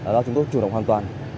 là chúng tôi chủ động hoàn toàn